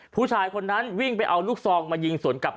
ผู้ชายคนนั้นวิ่งไปเอาลูกซองมายิงสวนกลับ